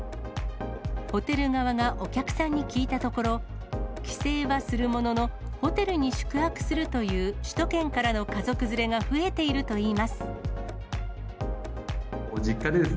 ホテル側がお客さんに聞いたところ、帰省はするものの、ホテルに宿泊するという首都圏からの家族連れが増えているといいます。